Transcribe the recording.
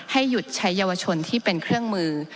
ให้หยุดใช้เยาวชนที่เป็นเครื่องมือ